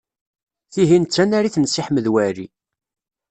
Tihin d tanarit n Si Ḥmed Waɛli.